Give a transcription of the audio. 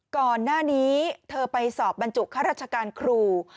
ก่อนหน้านี้เธอไปสอบบรรจุข้าราชการครู